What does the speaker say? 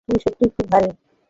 তুমি সত্যিই খুব ভারী।